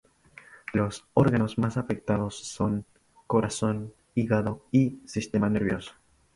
Los órganos más afectados son: corazón, hígado y sistema nervioso.